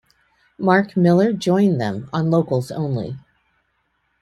Mark Miller joined them on Locals Only.